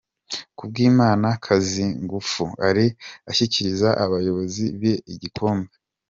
Kubwimana Kazingufu Ali ashyikiriza abayobizi be igikombe.